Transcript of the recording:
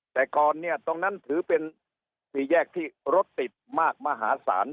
แต่ก่อนเนี่ยตรงนั้นถือเป็นสี่แยกที่รถติดมากมหาศาล